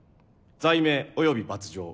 罪名及び罰条。